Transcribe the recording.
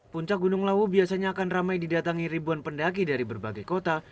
puncak gunung lawu biasanya akan ramai didatangi ribuan pendaki dari berbagai kota